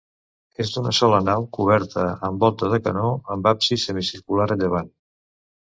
És d'una sola nau coberta amb volta de canó, amb absis semicircular a llevant.